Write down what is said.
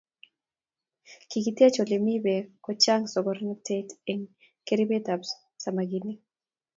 Kiki tech olimii bek kochanga sokotaret eng keribet ab samakinik.